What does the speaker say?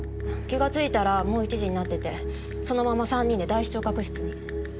気がついたらもう１時になっててそのまま３人で大視聴覚室に。